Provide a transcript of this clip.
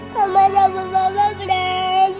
mama sama papa berantem